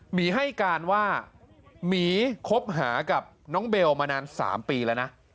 หมีให้การว่าหมีคบหากับน้องเบลมานาน๓ปีแล้วนะ